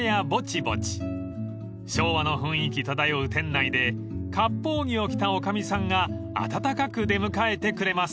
［昭和の雰囲気漂う店内でかっぽう着を着た女将さんが温かく出迎えてくれます］